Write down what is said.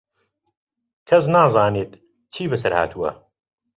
کەس نازانێت چی بەسەر هاتووە.